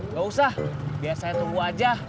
gak usah biar saya tunggu aja